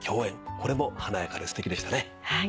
これも華やかですてきでしたね。